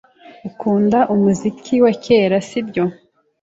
Ukunda umuziki wa kera, sibyo?